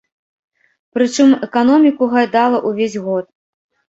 Прычым эканоміку гайдала ўвесь год.